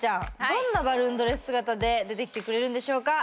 どんなバルーンドレス姿で出てきてくれるんでしょうか！